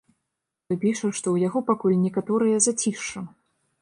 Той піша, што ў яго пакуль некаторае зацішша.